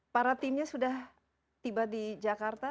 para timnya sudah tiba di jakarta